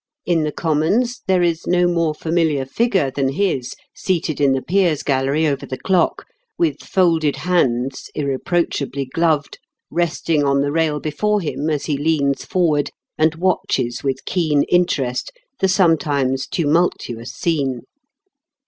In the Commons there is no more familiar figure than his seated in the Peers' Gallery over the clock, with folded hands irreproachably gloved, resting on the rail before him as he leans forward and watches with keen interest the sometimes tumultuous scene.